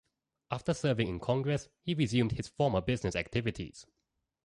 After serving in Congress, he resumed his former business activities.